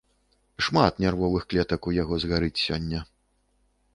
Шмат нервовых клетак у яго згарыць сёння.